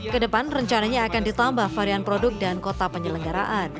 kedepan rencananya akan ditambah varian produk dan kota penyelenggaraan